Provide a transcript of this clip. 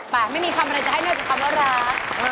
ปากไม่มีคำอะไรจะให้เนื่องจากคำว่ารัก